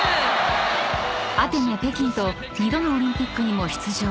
［アテネ北京と２度のオリンピックにも出場］